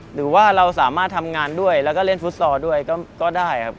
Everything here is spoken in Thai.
หรือว่าเราสามารถทำงานด้วยแล้วก็เล่นฟุตซอลด้วยก็ได้ครับ